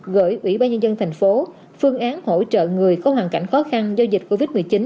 gửi ủy ban nhân dân thành phố phương án hỗ trợ người có hoàn cảnh khó khăn do dịch covid một mươi chín